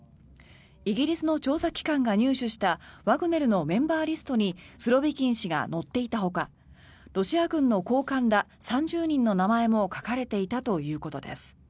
イギリスの調査機関が入手したワグネルのメンバーリストにスロビキン氏が載っていたほかロシア軍の高官ら３０人の名前も書かれていたということです。